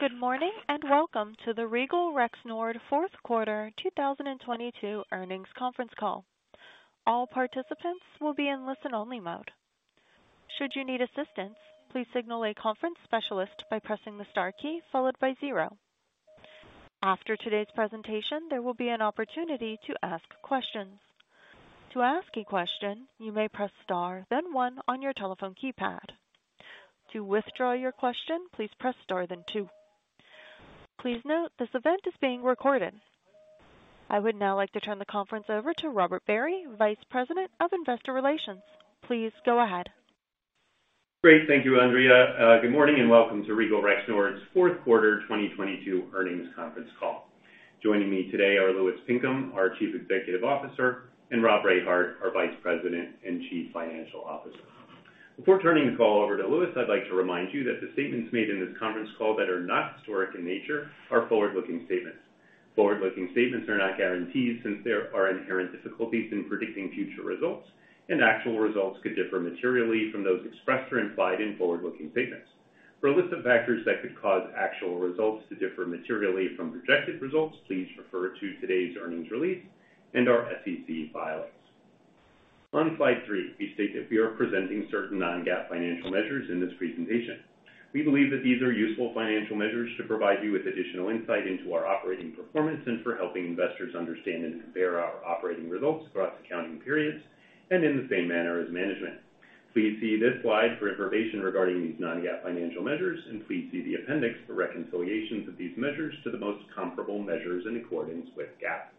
Good morning, welcome to the Regal Rexnord fourth quarter 2022 earnings conference call. All participants will be in listen-only mode. Should you need assistance, please signal a conference specialist by pressing the star key followed by zero. After today's presentation, there will be an opportunity to ask questions. To ask a question, you may press star then one on your telephone keypad. To withdraw your question, please press star then two. Please note this event is being recorded. I would now like to turn the conference over to Robert Barry, Vice President of Investor Relations. Please go ahead. Great. Thank you, Andrea. Good morning, welcome to Regal Rexnord's fourth quarter 2022 earnings conference call. Joining me today are Louis Pinkham, our Chief Executive Officer, Rob Rehard, our Vice President and Chief Financial Officer. Before turning the call over to Louis, I'd like to remind you that the statements made in this conference call that are not historic in nature are forward-looking statements. Forward-looking statements are not guarantees since there are inherent difficulties in predicting future results, actual results could differ materially from those expressed or implied in forward-looking statements. For a list of factors that could cause actual results to differ materially from projected results, please refer to today's earnings release and our SEC filings. On slide three, we state that we are presenting certain non-GAAP financial measures in this presentation. We believe that these are useful financial measures to provide you with additional insight into our operating performance and for helping investors understand and compare our operating results across accounting periods and in the same manner as management. Please see this slide for information regarding these non-GAAP financial measures, and please see the appendix for reconciliations of these measures to the most comparable measures in accordance with GAAP.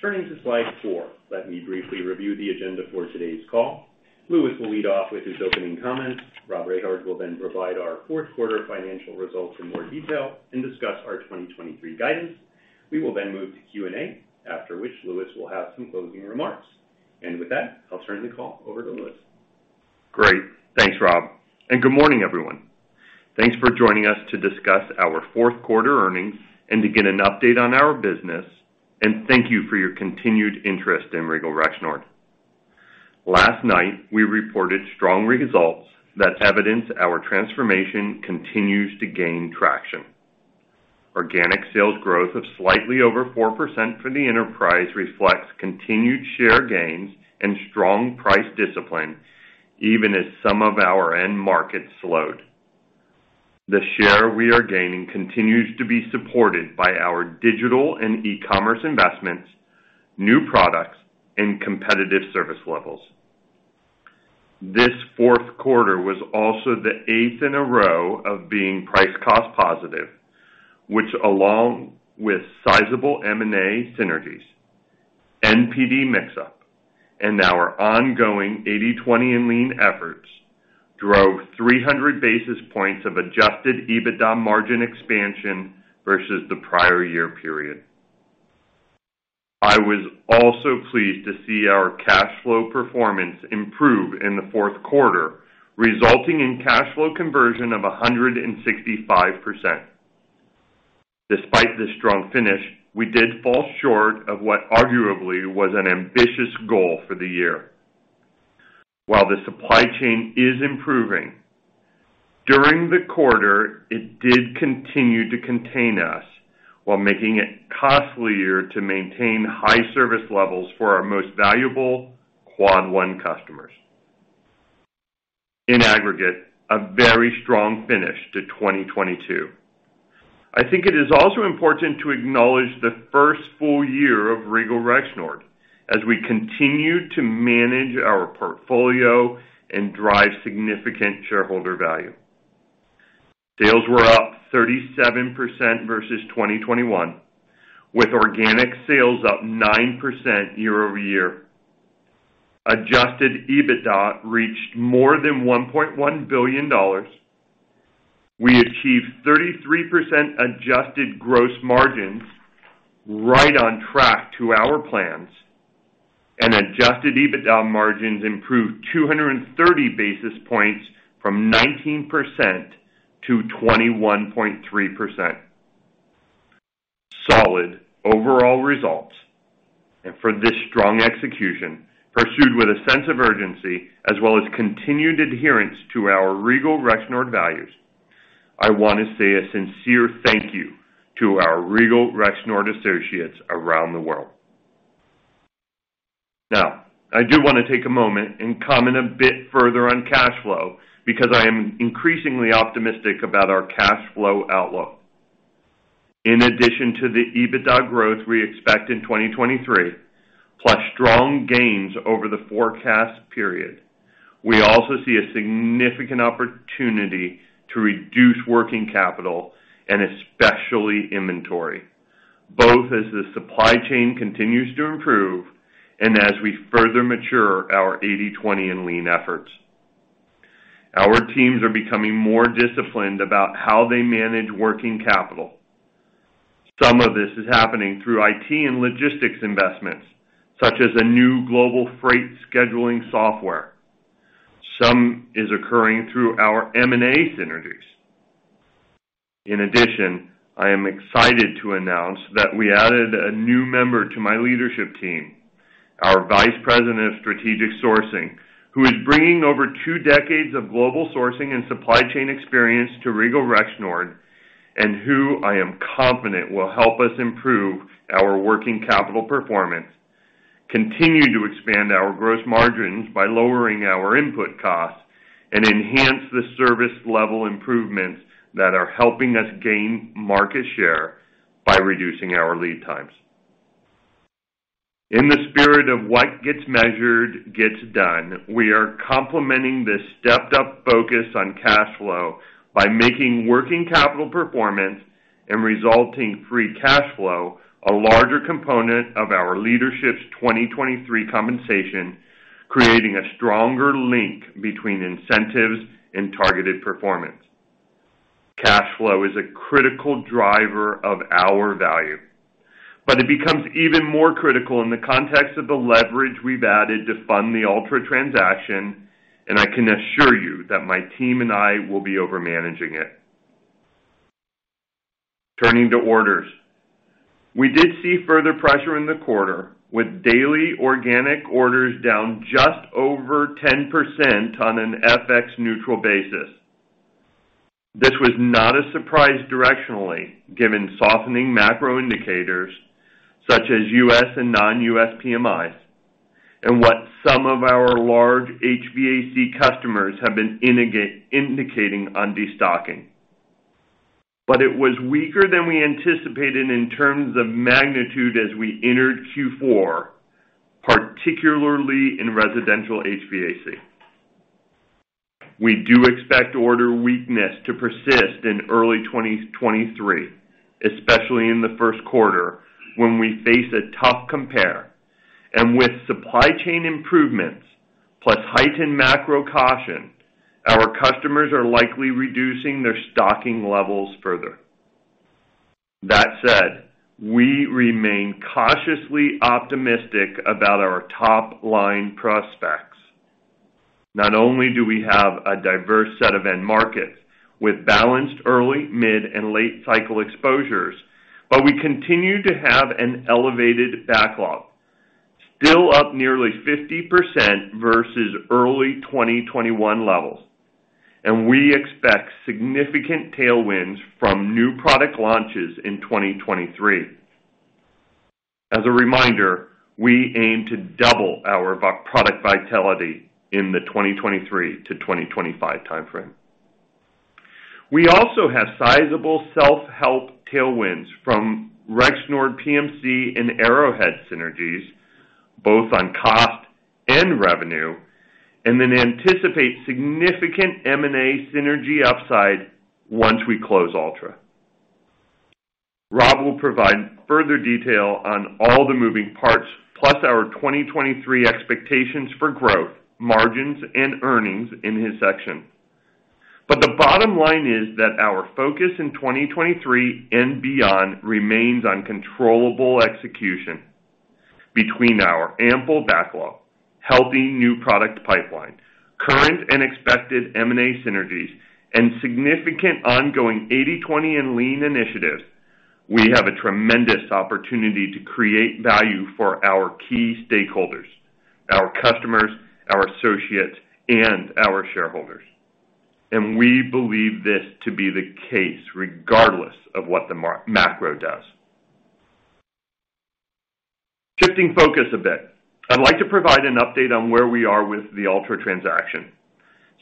Turning to slide four, let me briefly review the agenda for today's call. Louis will lead off with his opening comments. Rob Rehard will then provide our fourth quarter financial results in more detail and discuss our 2023 guidance. We will then move to Q&A, after which Louis will have some closing remarks. With that, I'll turn the call over to Louis. Great. Thanks, Rob, good morning, everyone. Thanks for joining us to discuss our fourth quarter earnings and to get an update on our business, and thank you for your continued interest in Regal Rexnord. Last night, we reported strong results that evidence our transformation continues to gain traction. Organic sales growth of slightly over 4% for the enterprise reflects continued share gains and strong price discipline even as some of our end markets slowed. The share we are gaining continues to be supported by our digital and e-commerce investments, new products, and competitive service levels. This fourth quarter was also the 8th in a row of being price cost positive, which along with sizable M&A synergies, NPD mix-up, and our ongoing 80/20 and lean efforts drove 300 basis points of adjusted EBITDA margin expansion versus the prior year period. I was also pleased to see our cash flow performance improve in the fourth quarter, resulting in cash flow conversion of 165%. Despite the strong finish, we did fall short of what arguably was an ambitious goal for the year. While the supply chain is improving, during the quarter it did continue to contain us while making it costlier to maintain high service levels for our most valuable Quad One customers. In aggregate, a very strong finish to 2022. I think it is also important to acknowledge the first full-year of Regal Rexnord as we continue to manage our portfolio and drive significant shareholder value. Sales were up 37% versus 2021, with organic sales up 9% year-over-year. Adjusted EBITDA reached more than $1.1 billion. We achieved 33% adjusted gross margins right on track to our plans, adjusted EBITDA margins improved 230 basis points from 19%-21.3%. Solid overall results. For this strong execution, pursued with a sense of urgency as well as continued adherence to our Regal Rexnord values, I wanna say a sincere thank you to our Regal Rexnord associates around the world. Now, I do wanna take a moment and comment a bit further on cash flow because I am increasingly optimistic about our cash flow outlook. In addition to the EBITDA growth we expect in 2023, plus strong gains over the forecast period, we also see a significant opportunity to reduce working capital and especially inventory, both as the supply chain continues to improve and as we further mature our 80/20 and lean efforts. Our teams are becoming more disciplined about how they manage working capital. Some of this is happening through IT and logistics investments, such as a new global freight scheduling software. Some is occurring through our M&A synergies. In addition, I am excited to announce that we added a new member to my leadership team, our Vice President of Strategic Sourcing, who is bringing over two decades of global sourcing and supply chain experience to Regal Rexnord, and who I am confident will help us improve our working capital performance, continue to expand our gross margins by lowering our input costs, and enhance the service level improvements that are helping us gain market share by reducing our lead times. In the spirit of what gets measured gets done, we are complementing the stepped-up focus on cash flow by making working capital performance and resulting free cash flow a larger component of our leadership's 2023 compensation, creating a stronger link between incentives and targeted performance. Cash flow is a critical driver of our value, but it becomes even more critical in the context of the leverage we've added to fund the Altra transaction, and I can assure you that my team and I will be over-managing it. Turning to orders. We did see further pressure in the quarter, with daily organic orders down just over 10% on an FX neutral basis. This was not a surprise directionally, given softening macro indicators such as U.S. and non-U.S. PMIs, and what some of our large HVAC customers have been indicating on destocking. It was weaker than we anticipated in terms of magnitude as we entered Q4, particularly in residential HVAC. We do expect order weakness to persist in early 2023, especially in the first quarter, when we face a tough compare. With supply chain improvements plus heightened macro caution, our customers are likely reducing their stocking levels further. That said, we remain cautiously optimistic about our top-line prospects. Not only do we have a diverse set of end markets with balanced early, mid, and late cycle exposures, but we continue to have an elevated backlog, still up nearly 50% versus early 2021 levels, and we expect significant tailwinds from new product launches in 2023. As a reminder, we aim to double our product vitality in the 2023-2025 timeframe. We also have sizable self-help tailwinds from Rexnord PMC and Arrowhead synergies, both on cost and revenue, and then anticipate significant M&A synergy upside once we close Altra. Rob will provide further detail on all the moving parts, plus our 2023 expectations for growth, margins, and earnings in his section. The bottom line is that our focus in 2023 and beyond remains on controllable execution between our ample backlog, healthy new product pipeline, current and expected M&A synergies, and significant ongoing 80/20 and lean initiatives, we have a tremendous opportunity to create value for our key stakeholders, our customers, our associates, and our shareholders. We believe this to be the case regardless of what the macro does. Shifting focus a bit, I'd like to provide an update on where we are with the Altra transaction.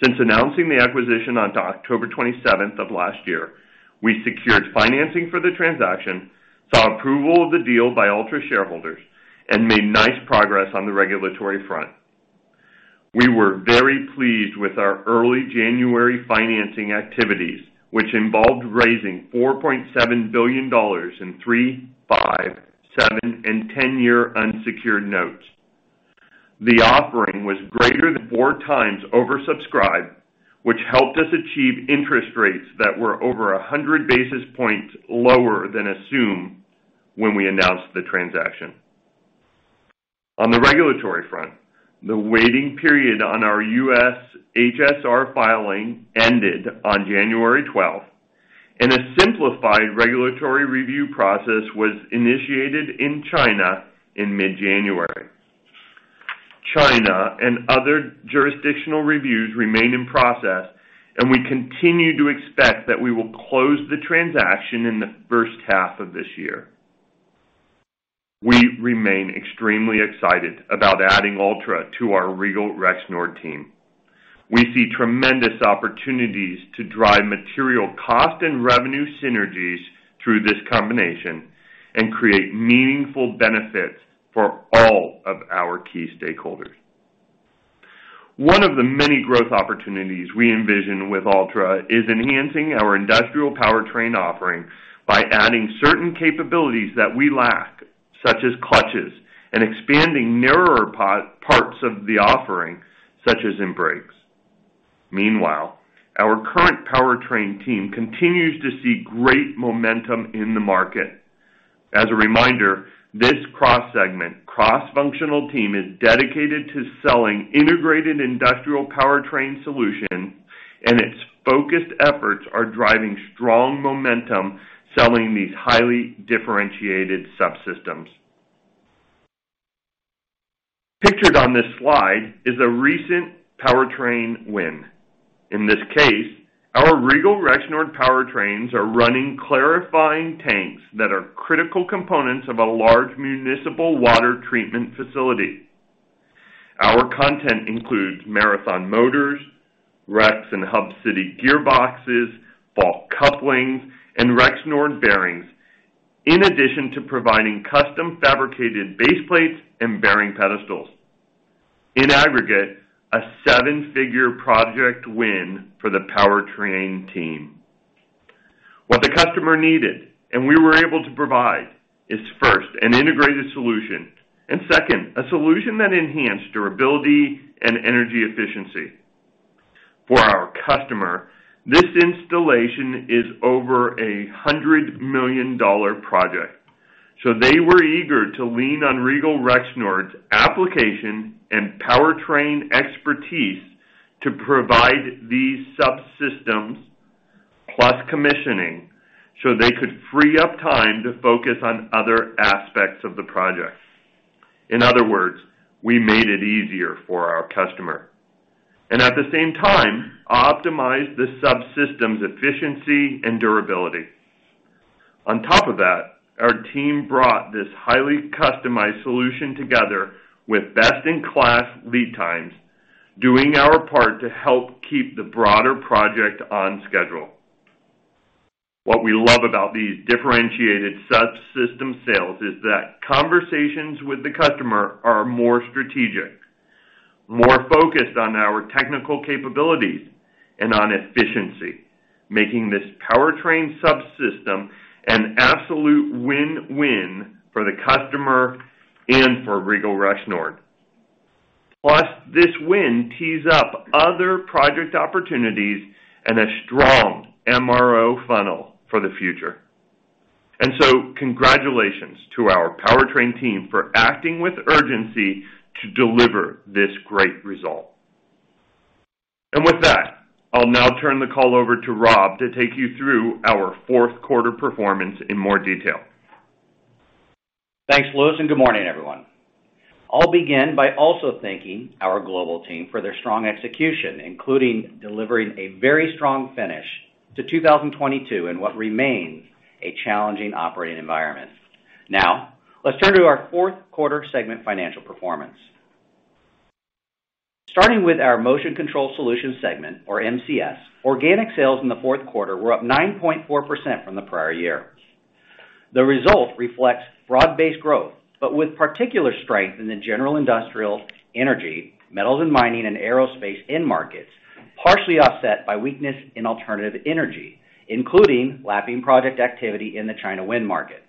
Since announcing the acquisition on October 27th of last year, we secured financing for the transaction, saw approval of the deal by Altra shareholders, and made nice progress on the regulatory front. We were very pleased with our early January financing activities, which involved raising $4.7 billion in 3, 5, 7, and 10-year unsecured notes. The offering was greater than 4 times oversubscribed, which helped us achieve interest rates that were over 100 basis points lower than assumed when we announced the transaction. On the regulatory front, the waiting period on our U.S. HSR filing ended on January 12th, and a simplified regulatory review process was initiated in China in mid-January. China and other jurisdictional reviews remain in process, and we continue to expect that we will close the transaction in the first half of this year. We remain extremely excited about adding Altra to our Regal Rexnord team. We see tremendous opportunities to drive material cost and revenue synergies through this combination and create meaningful benefits for all of our key stakeholders. One of the many growth opportunities we envision with Altra is enhancing our industrial powertrain offering by adding certain capabilities that we lack, such as clutches, and expanding parts of the offering, such as in brakes. Meanwhile, our current powertrain team continues to see great momentum in the market. As a reminder, this cross-segment, cross-functional team is dedicated to selling integrated industrial powertrain solutions, its focused efforts are driving strong momentum selling these highly differentiated subsystems. Pictured on this slide is a recent powertrain win. In this case, our Regal Rexnord powertrains are running clarifying tanks that are critical components of a large municipal water treatment facility. Our content includes Marathon motors, Rex and Hub City gearboxes, Falk couplings, and Rexnord bearings, in addition to providing custom fabricated base plates and bearing pedestals. In aggregate, a seven-figure project win for the powertrain team. What the customer needed, and we were able to provide, is first, an integrated solution, and second, a solution that enhanced durability and energy efficiency. For our customer, this installation is over a $100 million project. They were eager to lean on Regal Rexnord's application and powertrain expertise to provide these subsystems plus commissioning so they could free up time to focus on other aspects of the project. In other words, we made it easier for our customer. At the same time, optimized the subsystem's efficiency and durability. On top of that, our team brought this highly customized solution together with best-in-class lead times, doing our part to help keep the broader project on schedule. What we love about these differentiated subsystem sales is that conversations with the customer are more strategic, more focused on our technical capabilities and on efficiency, making this powertrain subsystem an absolute win-win for the customer and for Regal Rexnord. Plus, this win tees up other project opportunities and a strong MRO funnel for the future. Congratulations to our powertrain team for acting with urgency to deliver this great result. With that, I'll now turn the call over to Rob to take you through our fourth quarter performance in more detail. Thanks, Louis, and good morning, everyone. I'll begin by also thanking our global team for their strong execution, including delivering a very strong finish to 2022 in what remains a challenging operating environment. Let's turn to our fourth quarter segment financial performance. Starting with our Motion Control Solutions segment, or MCS, organic sales in the fourth quarter were up 9.4% from the prior year. The result reflects broad-based growth, with particular strength in the general industrial energy, metals and mining, and aerospace end markets, partially offset by weakness in alternative energy, including lapping project activity in the China wind market.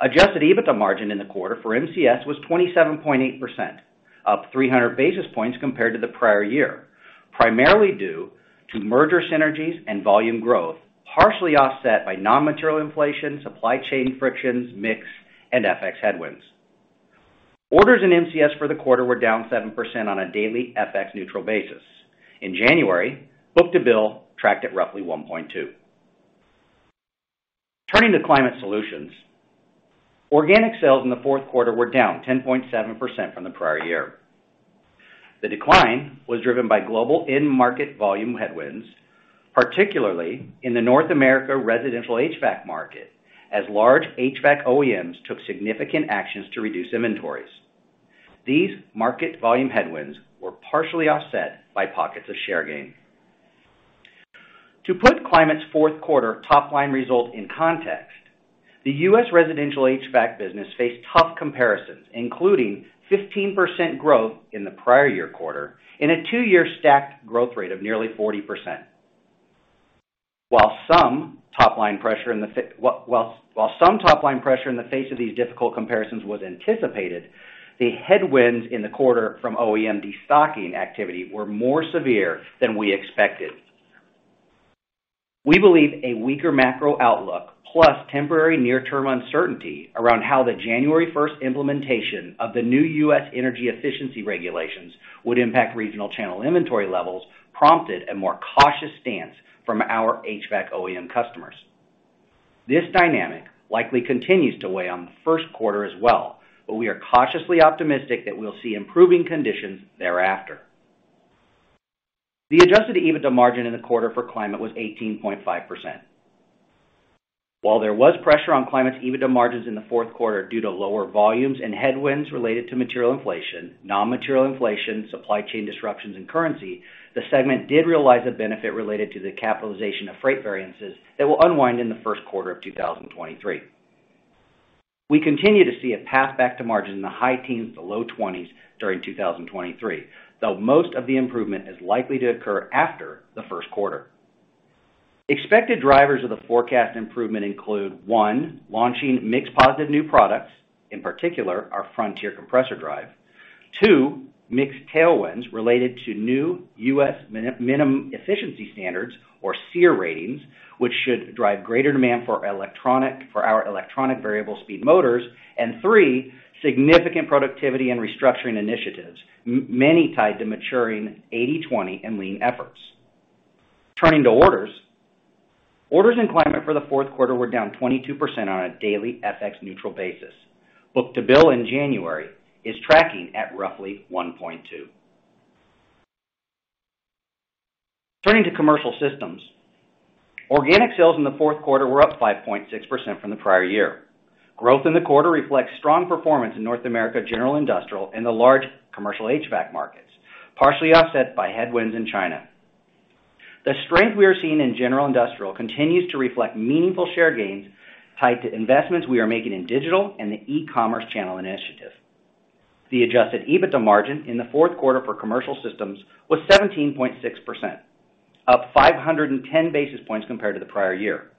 Adjusted EBITDA margin in the quarter for MCS was 27.8%, up 300 basis points compared to the prior year, primarily due to merger synergies and volume growth, partially offset by non-material inflation, supply chain frictions, mix, and FX headwinds. Orders in MCS for the quarter were down 7% on a daily FX neutral basis. In January, book-to-bill tracked at roughly 1.2. Turning to Climate Solutions. Organic sales in the fourth quarter were down 10.7% from the prior year. The decline was driven by global end market volume headwinds, particularly in the North America residential HVAC market, as large HVAC OEMs took significant actions to reduce inventories. These market volume headwinds were partially offset by pockets of share gain. To put Climate's fourth quarter top-line result in context, the U.S. residential HVAC business faced tough comparisons, including 15% growth in the prior year quarter in a two-year stacked growth rate of nearly 40%. While some top-line pressure in the face of these difficult comparisons was anticipated, the headwinds in the quarter from OEM destocking activity were more severe than we expected. We believe a weaker macro outlook plus temporary near-term uncertainty around how the January 1st implementation of the new U.S. energy efficiency regulations would impact regional channel inventory levels prompted a more cautious stance from our HVAC OEM customers. This dynamic likely continues to weigh on the first quarter as well, we are cautiously optimistic that we'll see improving conditions thereafter. The adjusted EBITDA margin in the quarter for Climate was 18.5%. While there was pressure on Climate's EBITDA margins in the fourth quarter due to lower volumes and headwinds related to material inflation, non-material inflaton, supply chain disruptions, and currency, the segment did realize a benefit related to the capitalization of freight variances that will unwind in the first quarter of 2023. We continue to see a path back to margin in the high teens to low twenties during 2023, though most of the improvement is likely to occur after the first quarter. Expected drivers of the forecast improvement include, one, launching mix positive new products, in particular, our Frontier compressor drive. Two, mixed tailwinds related to new U.S. minimum efficiency standards or SEER ratings, which should drive greater demand for our electronic variable speed motors. Three, significant productivity and restructuring initiatives, many tied to maturing 80/20 and lean efforts. Turning to orders. Orders in Climate for the fourth quarter were down 22% on a daily FX neutral basis. book-to-bill in January is tracking at roughly 1.2. Turning to commercial systems. Organic sales in the fourth quarter were up 5.6% from the prior year. Growth in the quarter reflects strong performance in North America General Industrial in the large commercial HVAC markets, partially offset by headwinds in China. The strength we are seeing in general industrial continues to reflect meaningful share gains tied to investments we are making in digital and the e-commerce channel initiative. The adjusted EBITDA margin in the fourth quarter for commercial systems was 17.6%, up 510 basis points compared to the prior year,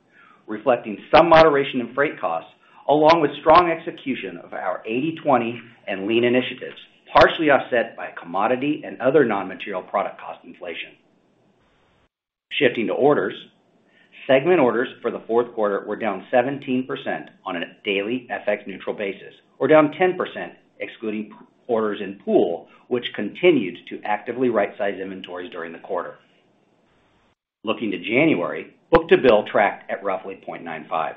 reflecting some moderation in freight costs, along with strong execution of our 80/20 and lean initiatives, partially offset by commodity and other non-material product cost inflation. Shifting to orders. Segment orders for the fourth quarter were down 17% on a daily FX neutral basis or down 10% excluding orders in pool, which continued to actively right-size inventories during the quarter. Looking to January, book-to-bill tracked at roughly 0.95.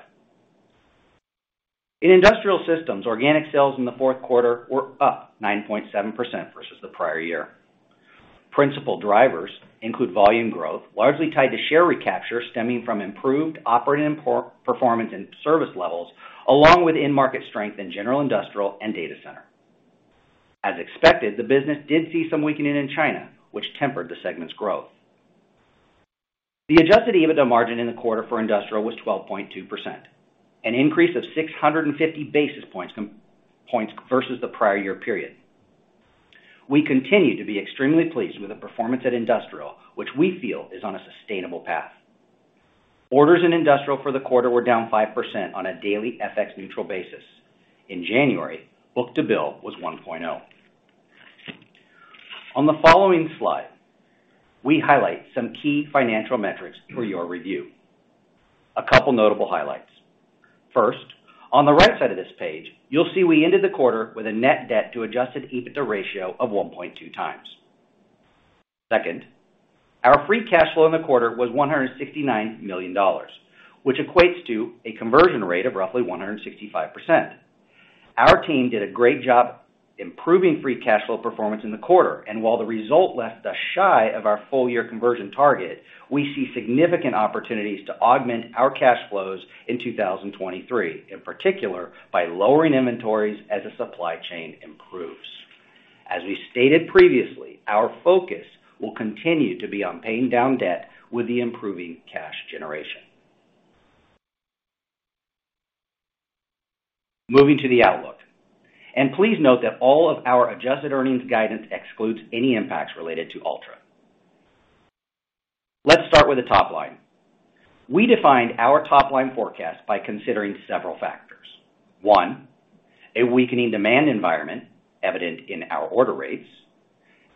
In industrial systems, organic sales in the fourth quarter were up 9.7% versus the prior year. Principal drivers include volume growth, largely tied to share recapture stemming from improved operating and performance and service levels, along with in-market strength in general industrial and data center. As expected, the business did see some weakening in China, which tempered the segment's growth. The adjusted EBITDA margin in the quarter for industrial was 12.2%, an increase of 650 basis points versus the prior year period. We continue to be extremely pleased with the performance at Industrial, which we feel is on a sustainable path. Orders in industrial for the quarter were down 5% on a daily FX neutral basis. In January, book-to-bill was 1.0. On the following slide, we highlight some key financial metrics for your review. A couple notable highlights. First, on the right side of this page, you'll see we ended the quarter with a net debt to adjusted EBITDA ratio of 1.2 times. Second, our free cash flow in the quarter was $169 million, which equates to a conversion rate of roughly 165%. Our team did a great job improving free cash flow performance in the quarter. While the result left us shy of our full-year conversion target, we see significant opportunities to augment our cash flows in 2023, in particular by lowering inventories as the supply chain improves. As we stated previously, our focus will continue to be on paying down debt with the improving cash generation. Moving to the outlook. Please note that all of our adjusted earnings guidance excludes any impacts related to Altra. Let's start with the top line. We defined our top line forecast by considering several factors. One, a weakening demand environment evident in our order rates,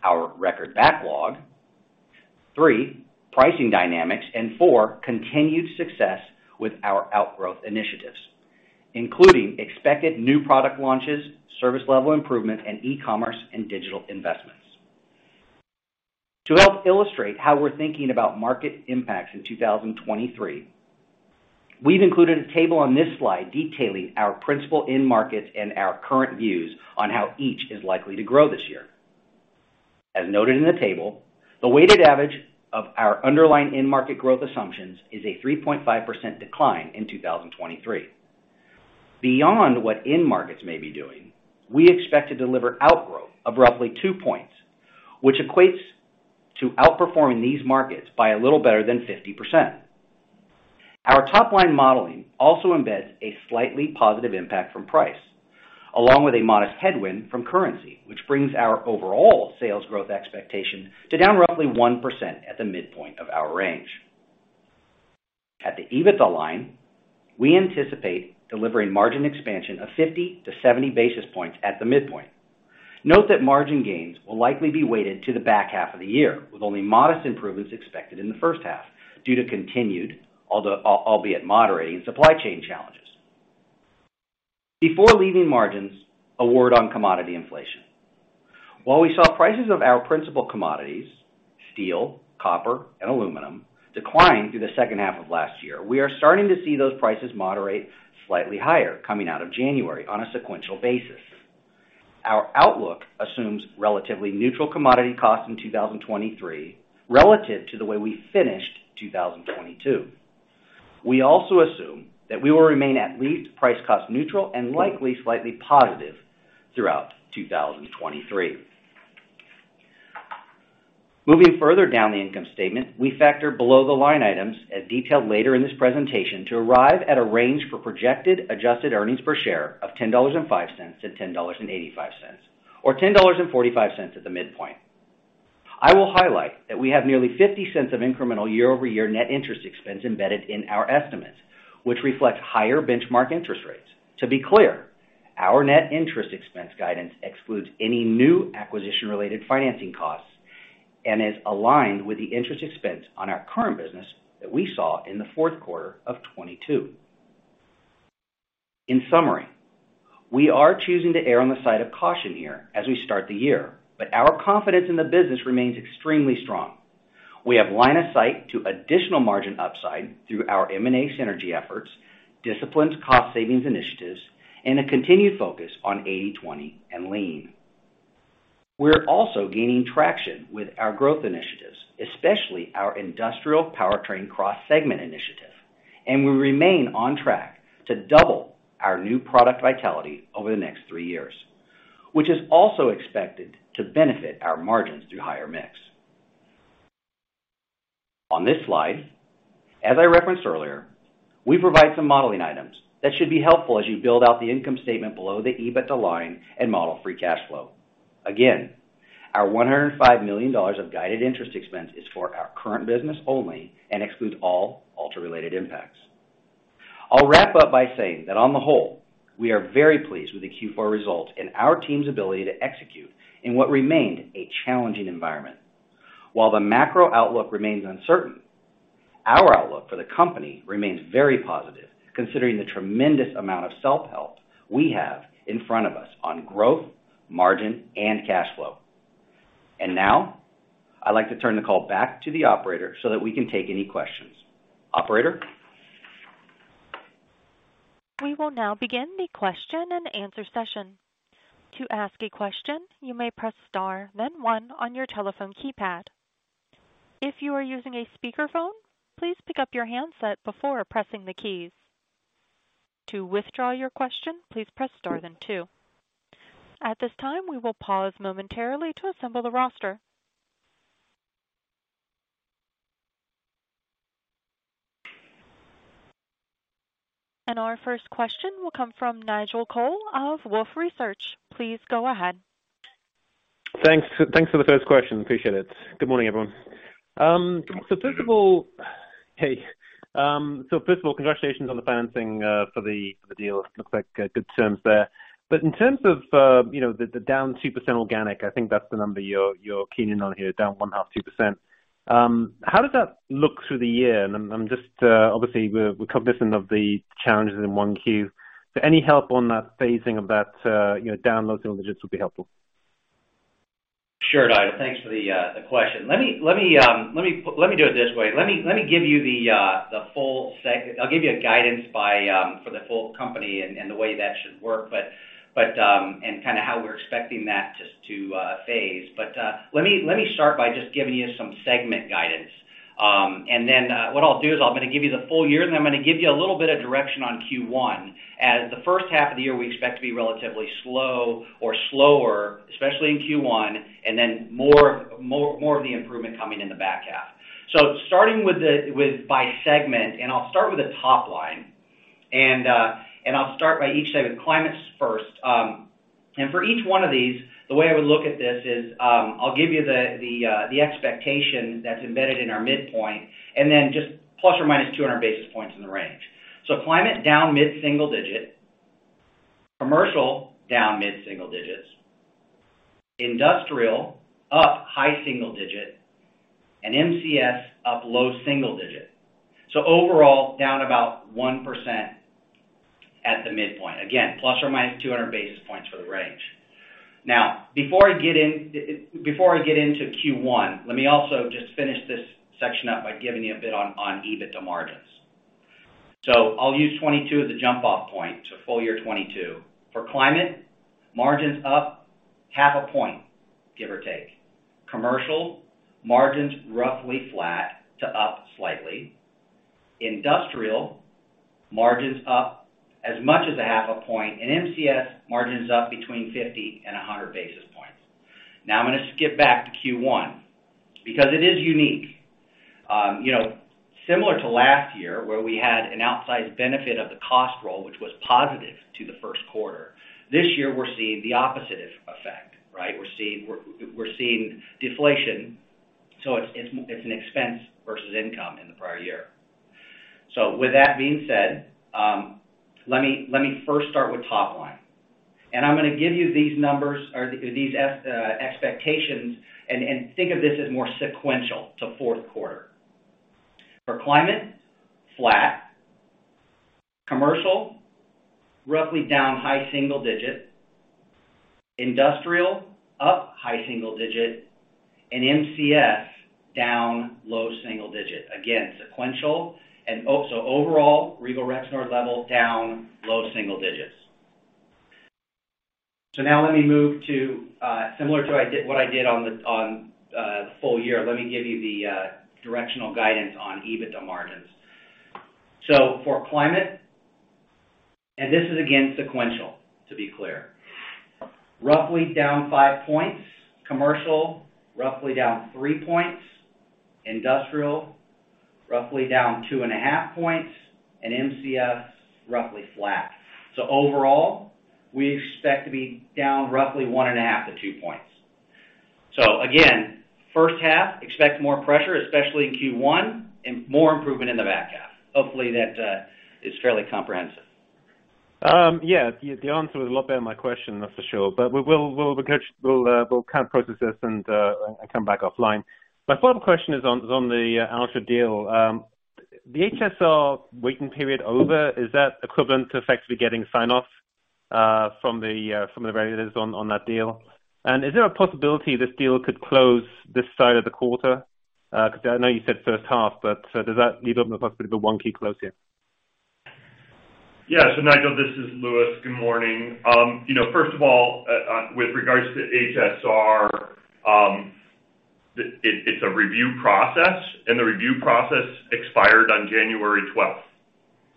our record backlog. Three, pricing dynamics and four, continued success with our outgrowth initiatives, including expected new product launches, service level improvement, and e-commerce and digital investments. To help illustrate how we're thinking about market impacts in 2023, we've included a table on this slide detailing our principal end markets and our current views on how each is likely to grow this year. As noted in the table, the weighted average of our underlying end market growth assumptions is a 3.5% decline in 2023. Beyond what end markets may be doing, we expect to deliver outgrowth of roughly two points, which equates to outperforming these markets by a little better than 50%. Our top line modeling also embeds a slightly positive impact from price, along with a modest headwind from currency, which brings our overall sales growth expectation to down roughly 1% at the midpoint of our range. At the EBITDA line, we anticipate delivering margin expansion of 50-70 basis points at the midpoint. Note that margin gains will likely be weighted to the back half of the year, with only modest improvements expected in the first half due to continued, although, albeit moderating supply chain challenges. Before leaving margins, a word on commodity inflation. While we saw prices of our principal commodities, steel, copper, and aluminum, decline through the second half of last year, we are starting to see those prices moderate slightly higher coming out of January on a sequential basis. Our outlook assumes relatively neutral commodity costs in 2023 relative to the way we finished 2022. We also assume that we will remain at least price cost neutral and likely slightly positive throughout 2023. Moving further down the income statement, we factor below-the-line items as detailed later in this presentation to arrive at a range for projected adjusted earnings per share of $10.05-$10.85, or $10.45 at the midpoint. I will highlight that we have nearly $0.50 of incremental year-over-year net interest expense embedded in our estimates, which reflects higher benchmark interest rates. To be clear, our net interest expense guidance excludes any new acquisition-related financing costs and is aligned with the interest expense on our current business that we saw in the fourth quarter of 2022. In summary, we are choosing to err on the side of caution here as we start the year, but our confidence in the business remains extremely strong. We have line of sight to additional margin upside through our M&A synergy efforts, disciplined cost savings initiatives, and a continued focus on 80/20 and lean. We're also gaining traction with our growth initiatives, especially our industrial powertrain cross-segment initiative, and we remain on track to double our new product vitality over the next three years, which is also expected to benefit our margins through higher mix. On this slide, as I referenced earlier, we provide some modeling items that should be helpful as you build out the income statement below the EBITDA line and model free cash flow. Again, our $105 million of guided interest expense is for our current business only and excludes all Altra-related impacts. I'll wrap up by saying that on the whole, we are very pleased with the Q4 results and our team's ability to execute in what remained a challenging environment. While the macro outlook remains uncertain, our outlook for the company remains very positive, considering the tremendous amount of self-help we have in front of us on growth, margin, and cash flow. Now, I'd like to turn the call back to the operator so that we can take any questions. Operator? We will now begin the question-and-answer session. To ask a question, you may press star then one on your telephone keypad. If you are using a speakerphone, please pick up your handset before pressing the keys. To withdraw your question, please press star then two. At this time, we will pause momentarily to assemble the roster. Our first question will come from Nigel Coe of Wolfe Research. Please go ahead. Thanks for the first question. Appreciate it. Good morning, everyone. First of all... Hey. First of all, congratulations on the financing for the deal. Looks like good terms there. In terms of, you know, the down 2% organic, I think that's the number you're keen in on here, down one half, 2%. How does that look through the year? I'm just, obviously we're cognizant of the challenges in Q1. Any help on that phasing of that, you know, down low single digits would be helpful. Sure, Nigel, thanks for the question. Let me do it this way. I'll give you a guidance by for the full company and the way that should work, but and kinda how we're expecting that to phase. Let me start by just giving you some segment guidance. Then what I'll do is I'm gonna give you the full-year, and then I'm gonna give you a little bit of direction on Q1. As the first half of the year, we expect to be relatively slow or slower, especially in Q1, and then more of the improvement coming in the back half. Starting with by segment, and I'll start with the top line. I'll start by each segment. Climate's first. For each one of these, the way I would look at this is, I'll give you the expectation that's embedded in our midpoint, and then just plus or minus 200 basis points in the range. Climate down mid-single digit. Commercial down mid-single digits. Industrial up high single digit, and MCS up low single digit. Overall, down about 1% at the midpoint. Again, plus or minus 200 basis points for the range. Before I get into Q1, let me also just finish this section up by giving you a bit on EBITDA margins. I'll use 2022 as a jump off point, so full-year 2022. For Climate, margins up half a point, give or take. Commercial, margins roughly flat to up slightly. Industrial, margins up as much as a half a point. MCS, margins up between 50 and 100 basis points. I'm gonna skip back to Q1 because it is unique. You know, similar to last year, where we had an outsized benefit of the cost roll, which was positive to the first quarter, this year we're seeing the opposite effect, right? We're seeing deflation, so it's an expense versus income in the prior year. With that being said, let me first start with top line. I'm gonna give you these numbers or these expectations and think of this as more sequential to fourth quarter. For Climate, flat. Commercial, roughly down high single digit. Industrial, up high single digit. MCS, down low single digit. Again, sequential and so overall, Regal Rexnord level down low single digits. Now let me move to, similar to what I did on the, on the full-year, let me give you the directional guidance on EBITDA margins. For climate, and this is again sequential, to be clear. Roughly down five points. Commercial, roughly down three points. Industrial Roughly down 2.5 points, and MCF roughly flat. Overall, we expect to be down roughly 1.5-2 points. Again, first half, expect more pressure, especially in Q1, and more improvement in the back half. Hopefully, that is fairly comprehensive. Yeah, the answer was a lot better my question, that's for sure. We will, we'll coach. We'll kind of process this and come back offline. My follow-up question is on the Altra deal. The HSR waiting period over, is that equivalent to effectively getting sign-off from the regulators on that deal? Is there a possibility this deal could close this side of the quarter? 'Cause I know you said first half, but does that leave open the possibility of a Q1 close here? Yeah. Nigel, this is Louis. Good morning. You know, first of all, with regards to HSR, it's a review process, and the review process expired on January 12th.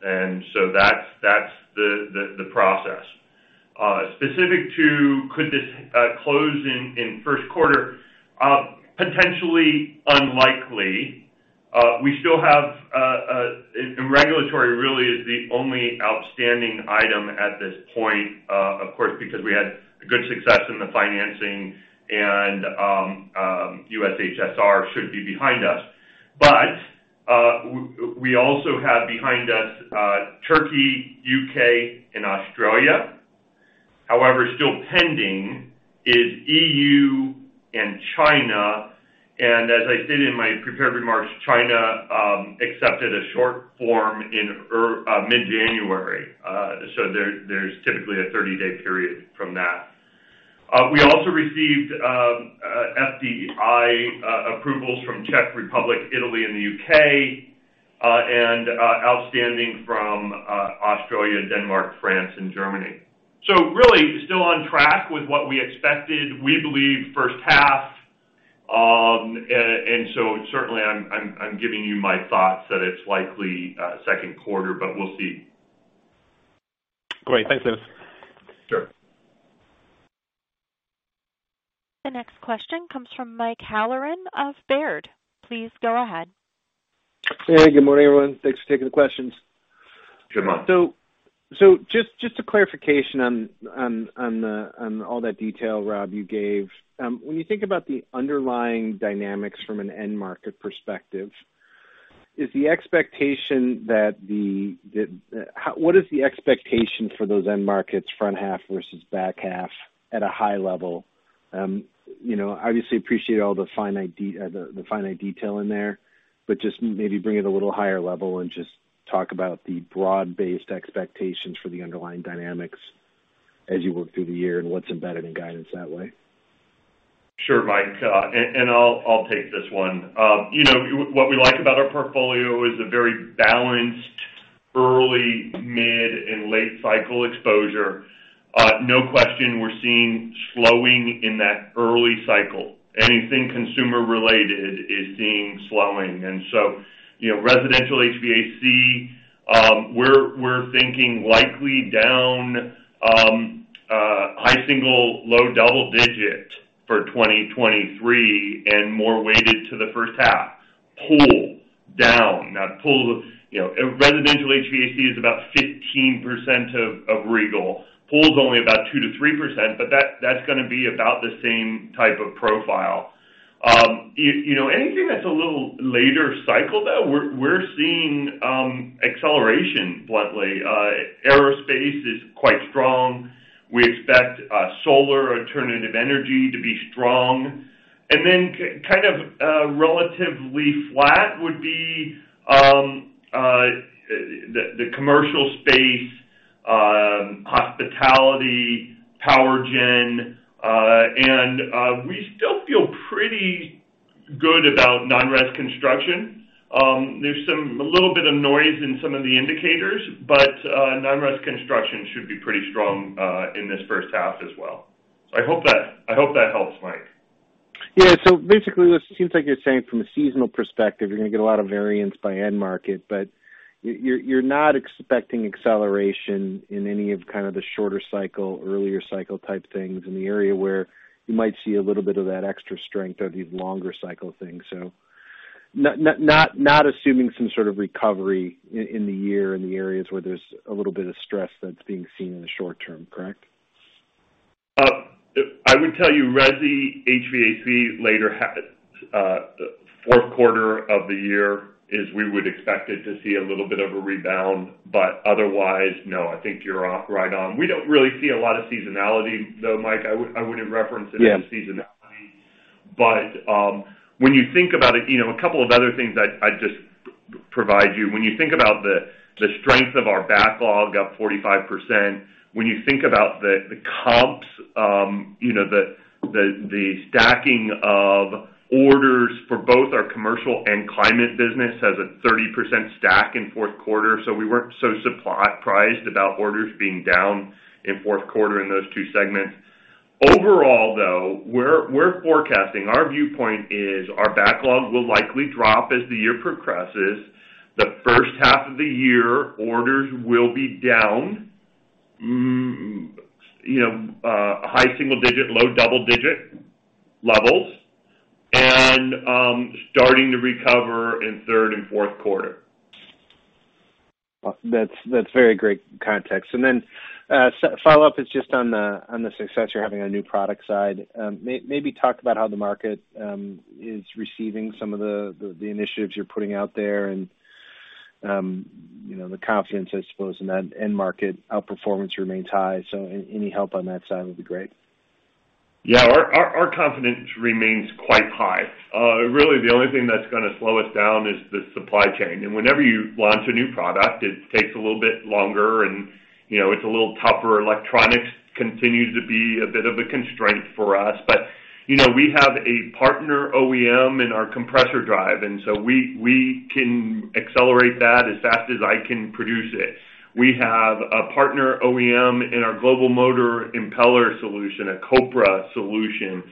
That's the process. Specific to could this close in first quarter, potentially unlikely. We still have and regulatory really is the only outstanding item at this point, of course, because we had good success in the financing and US HSR should be behind us. We also have behind us, Turkey, U.K. and Australia. However, still pending is EU and China. As I stated in my prepared remarks, China accepted a short form mid-January. There's typically a 30-day period from that. We also received FDI approvals from Czech Republic, Italy and the U.K., and outstanding from Australia, Denmark, France and Germany. Really still on track with what we expected, we believe first half. Certainly I'm giving you my thoughts that it's likely second quarter, but we'll see. Great. Thanks, Louis. Sure. The next question comes from Mike Halloran of Baird. Please go ahead. Hey, good morning, everyone. Thanks for taking the questions. Good morning. Just a clarification on the, on all that detail, Rob, you gave. When you think about the underlying dynamics from an end market perspective, is the expectation that the, what is the expectation for those end markets front half versus back half at a high level? you know, obviously appreciate all the finite detail in there, but just maybe bring it a little higher level and just talk about the broad-based expectations for the underlying dynamics as you work through the year and what's embedded in guidance that way. Sure, Mike. I'll take this one. You know, what we like about our portfolio is a very balanced early-, mid-, and late-cycle exposure. No question we're seeing slowing in that early cycle. Anything consumer related is seeing slowing. You know, residential HVAC, we're thinking likely down high single-digit, low double-digit for 2023 and more weighted to the first half. Pool down. Pool, you know, residential HVAC is about 15% of Regal. Pool's only about 2%-3%, that's gonna be about the same type of profile. You know, anything that's a little later cycle though, we're seeing acceleration bluntly. Aerospace is quite strong. We expect solar alternative energy to be strong. Kind of, relatively flat would be, the commercial space, hospitality, power gen, and we still feel pretty good about non-res construction. There's some a little bit of noise in some of the indicators, but non-res construction should be pretty strong in this first half as well. I hope that helps, Mike. Yeah. Basically, it seems like you're saying from a seasonal perspective you're gonna get a lot of variance by end market, but you're not expecting acceleration in any of kind of the shorter cycle, earlier cycle type things in the area where you might see a little bit of that extra strength of these longer cycle things. Not assuming some sort of recovery in the year in the areas where there's a little bit of stress that's being seen in the short term, correct? I would tell you resi HVAC later fourth quarter of the year is we would expect it to see a little bit of a rebound. Otherwise, no, I think you're off right on. We don't really see a lot of seasonality though, Mike. I would, I wouldn't reference it as seasonality. Yeah. When you think about it, you know, a couple of other things I'd just provide you. When you think about the strength of our backlog, up 45%. When you think about the comps, you know, the stacking of orders for both our commercial and climate business has a 30% stack in fourth quarter. We weren't so surprised about orders being down in fourth quarter in those two segments. Overall, though, we're forecasting. Our viewpoint is our backlog will likely drop as the year progresses. The first half of the year, orders will be down, you know, high single digit, low double digit levels. Starting to recover in third and fourth quarter. That's very great context. Follow-up is just on the success you're having on new product side. Maybe talk about how the market is receiving some of the initiatives you're putting out there and, you know, the confidence, I suppose, in that end market outperformance remains high. Any, any help on that side would be great. Our confidence remains quite high. Really the only thing that's gonna slow us down is the supply chain. Whenever you launch a new product, it takes a little bit longer and, you know, it's a little tougher. Electronics continues to be a bit of a constraint for us. You know, we have a partner OEM in our compressor drive, and so we can accelerate that as fast as I can produce it. We have a partner OEM in our global motor impeller solution, a COPRA solution,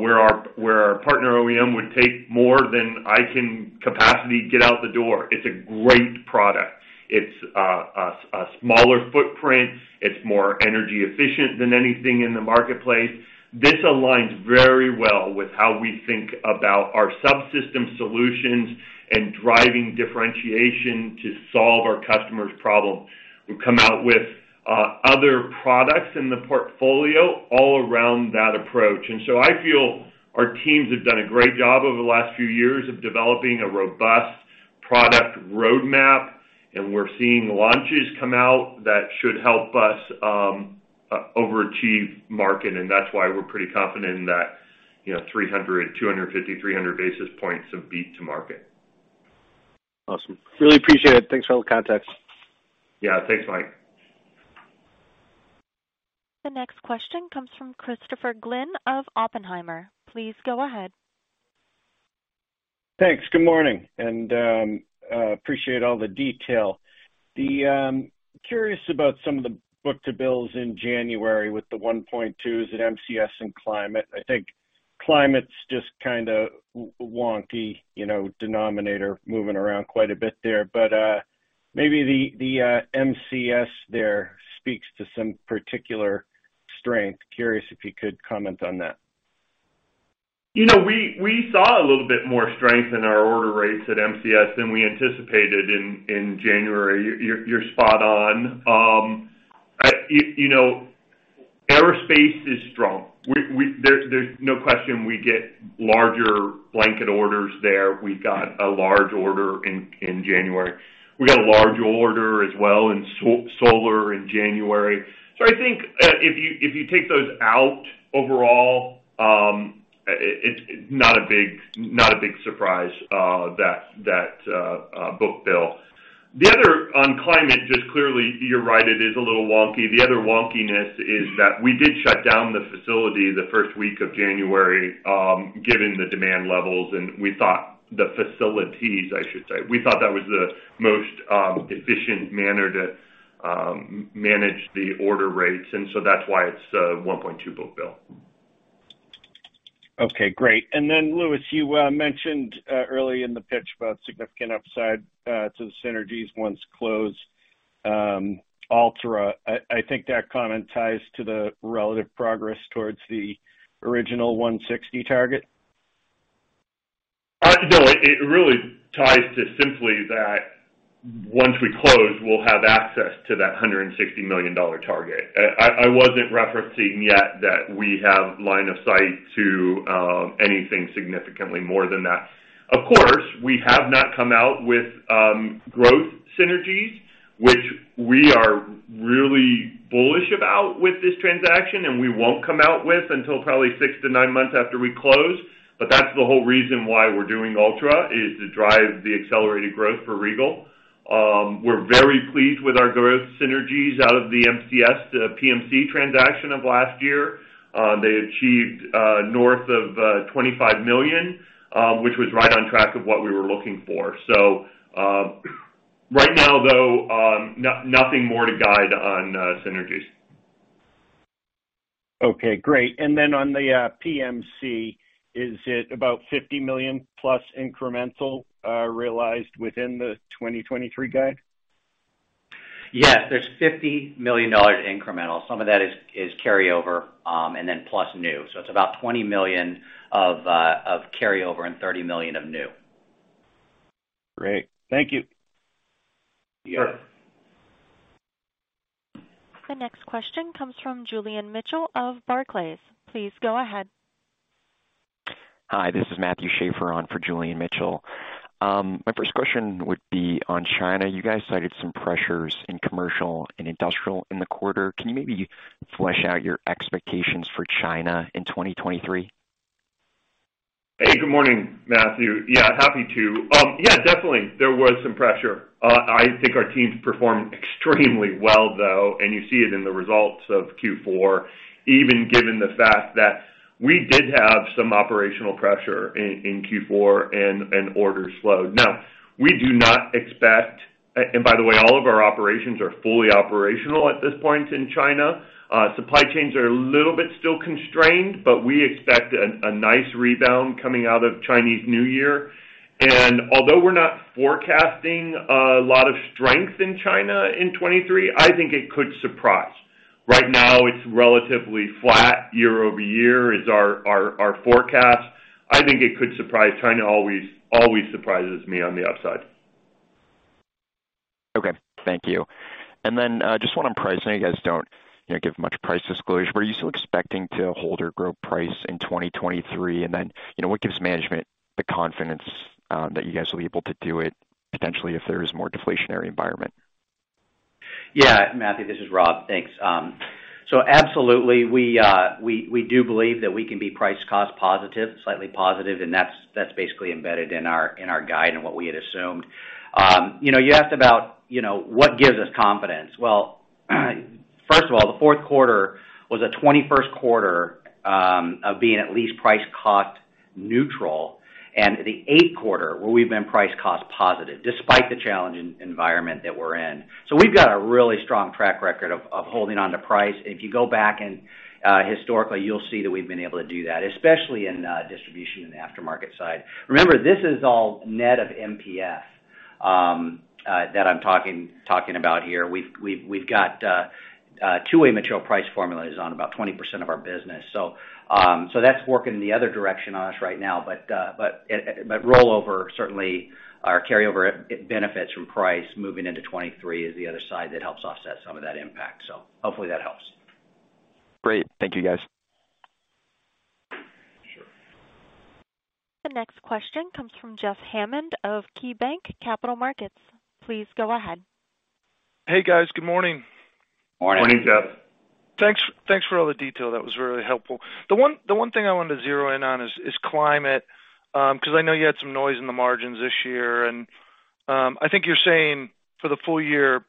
where our partner OEM would take more than I can capacity get out the door. It's a great product. It's a smaller footprint. It's more energy efficient than anything in the marketplace. This aligns very well with how we think about our subsystem solutions and driving differentiation to solve our customers' problem. We've come out with other products in the portfolio all around that approach. I feel our teams have done a great job over the last few years of developing a robust product roadmap, and we're seeing launches come out that should help us overachieve market, and that's why we're pretty confident in that, you know, 300, 250, 300 basis points of beat to market. Awesome. Really appreciate it. Thanks for all the context. Yeah. Thanks, Mike. The next question comes from Christopher Glynn of Oppenheimer. Please go ahead. Thanks. Good morning. Appreciate all the detail. Curious about some of the book-to-bill in January with the 1.2 is at MCS and Climate. I think Climate's just kinda wonky, you know, denominator moving around quite a bit there. Maybe MCS there speaks to some particular strength. Curious if you could comment on that. You know, we saw a little bit more strength in our order rates at MCS than we anticipated in January. You're spot on. You know, aerospace is strong. We, there's no question we get larger blanket orders there. We got a large order in January. We got a large order as well in solar in January. I think, if you take those out overall, it's not a big surprise that book-to-bill. The other on Climate, just clearly, you're right, it is a little wonky. The other wonkiness is that we did shut down the facility the first week of January, given the demand levels, and we thought the facilities, I should say. We thought that was the most efficient manner to manage the order rates, and so that's why it's 1.2 book-to-bill. Okay, great. Then, Louis, you mentioned early in the pitch about significant upside to the synergies once closed, Altra. I think that comment ties to the relative progress towards the original 160 target. No, it really ties to simply that once we close, we'll have access to that $160 million target. I wasn't referencing yet that we have line of sight to anything significantly more than that. Of course, we have not come out with growth synergies, which we are really bullish about with this transaction, and we won't come out with until probably six to nine months after we close. That's the whole reason why we're doing Altra, is to drive the accelerated growth for Regal. We're very pleased with our growth synergies out of the MCS to PMC transaction of last year. They achieved north of $25 million, which was right on track of what we were looking for. Right now, though, nothing more to guide on synergies. Okay, great. Then on the PMC, is it about $50 million plus incremental, realized within the 2023 guide? Yes, there's $50 million incremental. Some of that is carryover. Then plus new. It's about $20 million of carryover and $30 million of new. Great. Thank you. Yeah. Sure. The next question comes from Julian Mitchell of Barclays. Please go ahead. Hi, this is Matthew Schaefer on for Julian Mitchell. My first question would be on China. You guys cited some pressures in commercial and industrial in the quarter. Can you maybe flesh out your expectations for China in 2023? Hey, good morning, Matthew. Yeah, happy to. Yeah, definitely. There was some pressure. I think our teams performed extremely well, though, and you see it in the results of Q4, even given the fact that we did have some operational pressure in Q4 and orders slowed. We do not expect... By the way, all of our operations are fully operational at this point in China. Supply chains are a little bit still constrained, but we expect a nice rebound coming out of Chinese New Year. Although we're not forecasting a lot of strength in China in 2023, I think it could surprise. Right now, it's relatively flat year-over-year is our forecast. I think it could surprise. China always surprises me on the upside. Okay. Thank you. Just on pricing, you guys don't, you know, give much price disclosure. Were you still expecting to hold or grow price in 2023? You know, what gives management the confidence, that you guys will be able to do it potentially if there is more deflationary environment? Yeah, Mitchell, this is Rob. Thanks. Absolutely, we do believe that we can be price cost positive, slightly positive, and that's basically embedded in our guide and what we had assumed. You know, you asked about, you know, what gives us confidence. First of all, the fourth quarter was a 21st quarter of being at least price cost neutral and the eighth quarter where we've been price cost positive despite the challenging environment that we're in. We've got a really strong track record of holding on to price. If you go back and historically, you'll see that we've been able to do that, especially in distribution and aftermarket side. Remember, this is all net of MPF that I'm talking about here. We've got two-way material price formulas on about 20% of our business. That's working in the other direction on us right now. Rollover certainly or carryover benefits from price moving into 2023 is the other side that helps offset some of that impact. Hopefully that helps. Great. Thank you, guys. Sure. The next question comes from Jeff Hammond of KeyBanc Capital Markets. Please go ahead. Hey, guys. Good morning. Morning. Morning, Jeff. Thanks for all the detail. That was really helpful. The one thing I wanted to zero in on is Climate, because I know you had some noise in the margins this year. I think you're saying for the full-year,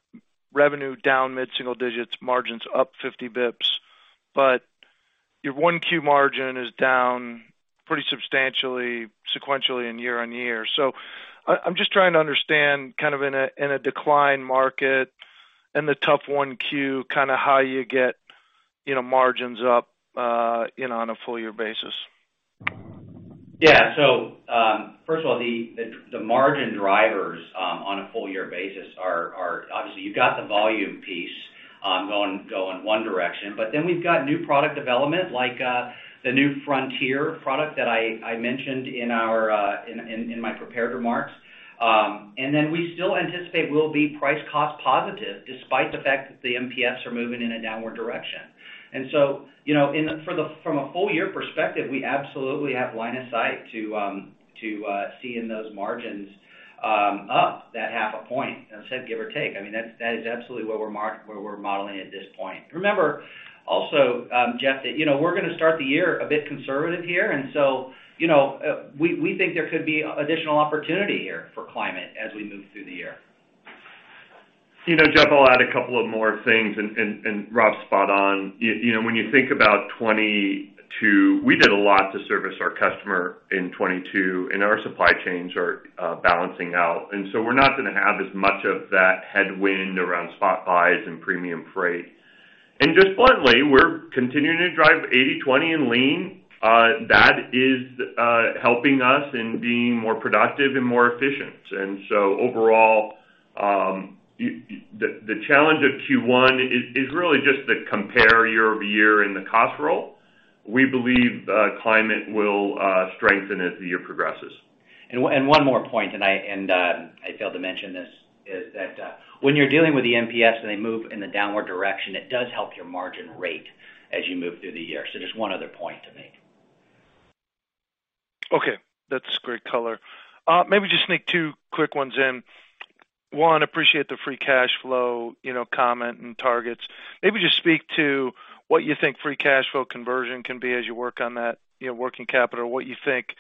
revenue down mid-single digits, margins up 50 basis points. Your 1Q margin is down pretty substantially sequentially and year-on-year. I'm just trying to understand kind of in a decline market and the tough 1Q kind of how you get, you know, margins up, you know, on a full-year basis. First of all, the margin drivers on a full-year basis are obviously you've got the volume piece going one direction, but then we've got new product development like the new Frontier product that I mentioned in my prepared remarks. We still anticipate we'll be price cost positive despite the fact that the MPFs are moving in a downward direction. From a full-year perspective, you know, we absolutely have line of sight to see in those margins up that half a point, instead, give or take. I mean, that is absolutely what we're modeling at this point. Remember also, Jeff, that, you know, we're gonna start the year a bit conservative here, and so, you know, we think there could be additional opportunity here for climate as we move through the year. You know, Jeff, I'll add a couple of more things, and Rob's spot on. You know, when you think about 2022, we did a lot to service our customer in 2022, and our supply chains are balancing out. We're not gonna have as much of that headwind around spot buys and premium freight. Just bluntly, we're continuing to drive 80/20 and lean. That is helping us in being more productive and more efficient. Overall, the challenge of Q1 is really just to compare year-over-year in the cost role. We believe Climate will strengthen as the year progresses. one, and one more point, I failed to mention this, is that, when you're dealing with the MPFs and they move in the downward direction, it does help your margin rate as you move through the year. just one other point to make. Okay. That's great color. Maybe just sneak two quick ones in. One, appreciate the free cash flow, you know, comment and targets. Maybe just speak to what you think free cash flow conversion can be as you work on that, you know, working capital, what you think,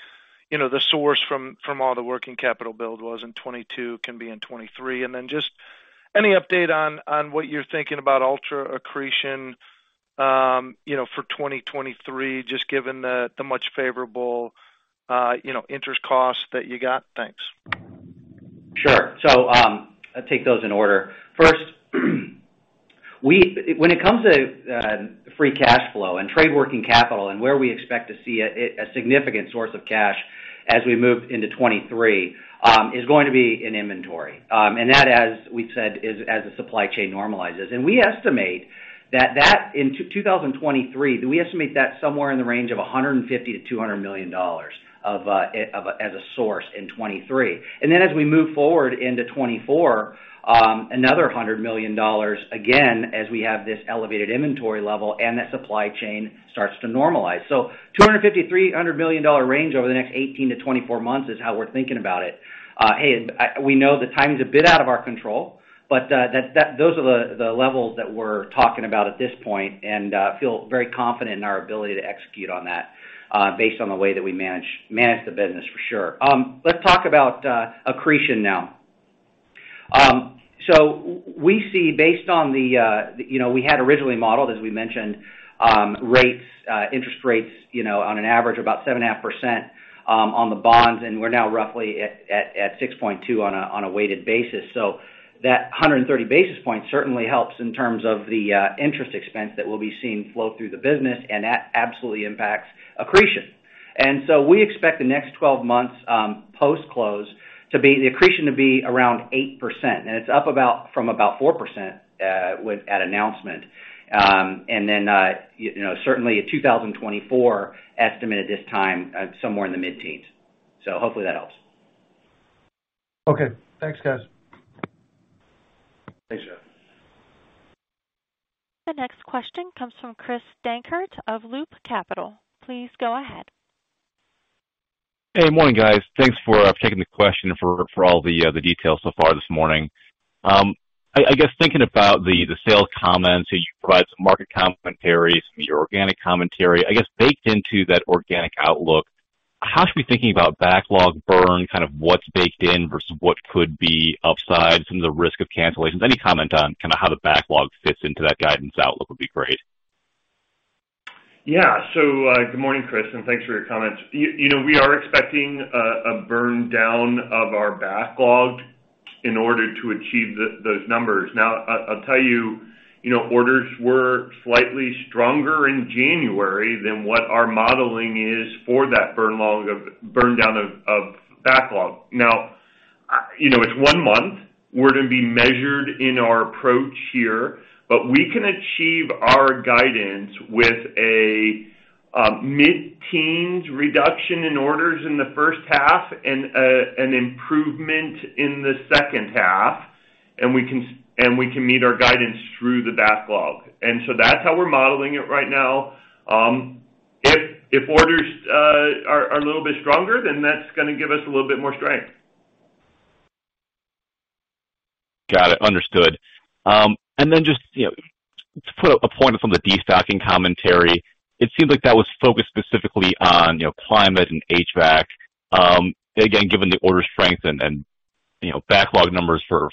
you know, the source from all the working capital build was in 2022 can be in 2023. Then just any update on what you're thinking about Altra accretion, you know, for 2023, just given the much favorable, you know, interest costs that you got? Thanks. Sure. I'll take those in order. First, when it comes to free cash flow and trade working capital and where we expect to see a significant source of cash as we move into 2023, is going to be in inventory. That, as we said, is as the supply chain normalizes. We estimate that in 2023, do we estimate that somewhere in the range of $150 million-$200 million as a source in 2023. Then as we move forward into 2024, another $100 million, again, as we have this elevated inventory level and that supply chain starts to normalize. $250 million-$300 million range over the next 18-24 months is how we're thinking about it. Hey, we know the timing's a bit out of our control, but those are the levels that we're talking about at this point and feel very confident in our ability to execute on that based on the way that we manage the business for sure. Let's talk about accretion now. We see based on the, you know, we had originally modeled, as we mentioned, rates, interest rates, you know, on an average about 7.5% on the bonds, and we're now roughly at 6.2 on a weighted basis. That 130 basis points certainly helps in terms of the interest expense that we'll be seeing flow through the business, and that absolutely impacts accretion. We expect the next 12 months, post-close to be the accretion to be around 8%, and it's up about from about 4% with at announcement. You know, certainly a 2024 estimate at this time at somewhere in the mid-teens. Hopefully that helps. Okay, thanks, guys. Thanks, Jeff. The next question comes from Chris Dankert of Loop Capital. Please go ahead. Hey, morning, guys. Thanks for taking the question for all the details so far this morning. I guess thinking about the sales comments, you provide some market commentaries from your organic commentary. I guess baked into that organic outlook, how should we thinking about backlog burn, kind of what's baked in versus what could be upside from the risk of cancellations? Any comment on kinda how the backlog fits into that guidance outlook would be great. Yeah. Good morning, Chris, and thanks for your comments. You know, we are expecting a burn down of our backlog in order to achieve those numbers. I'll tell you know, orders were slightly stronger in January than what our modeling is for that burn down of backlog. You know, it's one month. We're gonna be measured in our approach here, we can achieve our guidance with a mid-teens reduction in orders in the first half and an improvement in the second half, and we can meet our guidance through the backlog. That's how we're modeling it right now. If orders are a little bit stronger, that's gonna give us a little bit more strength. Got it. Understood. Then just, you know, to put a point on some of the destocking commentary, it seems like that was focused specifically on, you know, climate and HVAC. Again, given the order strength and, you know, backlog numbers for,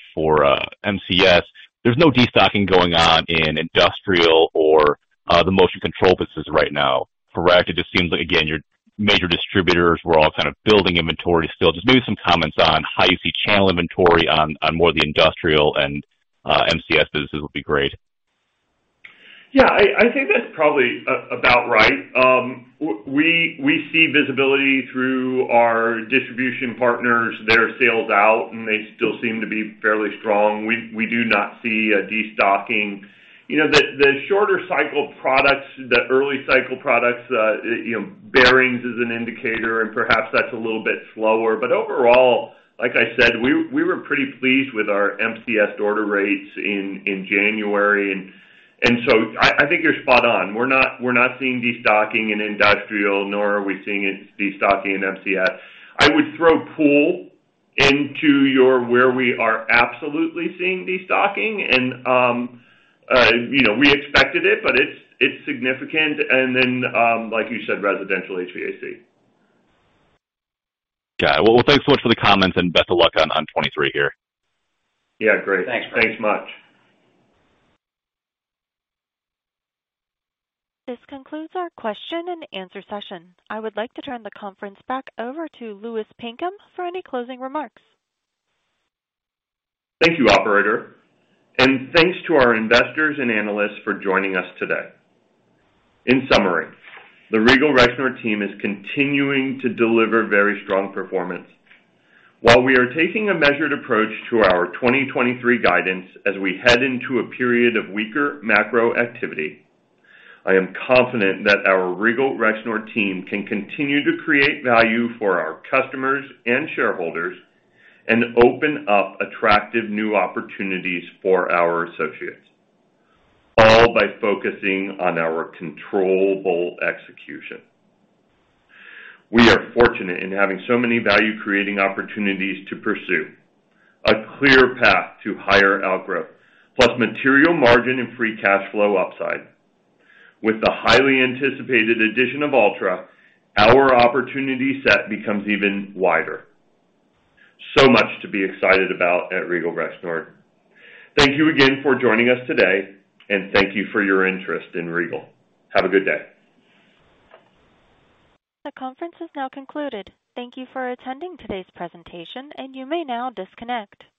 MCS, there's no destocking going on in industrial or, the motion control business right now. Correct? It just seems like, again, your major distributors were all kind of building inventory still. Just maybe some comments on how you see channel inventory on more of the industrial and, MCS businesses would be great. Yeah, I think that's probably about right. We see visibility through our distribution partners, their sales out, and they still seem to be fairly strong. We do not see a destocking. You know, the shorter cycle products, the early cycle products, you know, bearings is an indicator, and perhaps that's a little bit slower. Overall, like I said, we were pretty pleased with our MCS order rates in January. I think you're spot on. We're not seeing destocking in industrial, nor are we seeing it destocking in MCS. I would throw pool into your where we are absolutely seeing destocking and, you know, we expected it, but it's significant. Like you said, residential HVAC. Got it. Well, thanks so much for the comments and best of luck on 2023 here. Yeah, great. Thanks. Thanks much. This concludes our question-and-answer session. I would like to turn the conference back over to Louis Pinkham for any closing remarks. Thank you, operator, thanks to our investors and analysts for joining us today. In summary, the Regal Rexnord team is continuing to deliver very strong performance. While we are taking a measured approach to our 2023 guidance as we head into a period of weaker macro activity, I am confident that our Regal Rexnord team can continue to create value for our customers and shareholders and open up attractive new opportunities for our associates, all by focusing on our controllable execution. We are fortunate in having so many value-creating opportunities to pursue. A clear path to higher outgrowth, plus material margin and free cash flow upside. With the highly anticipated addition of Altra, our opportunity set becomes even wider. Much to be excited about at Regal Rexnord. Thank you again for joining us today, and thank you for your interest in Regal. Have a good day. The conference is now concluded. Thank you for attending today's presentation. You may now disconnect.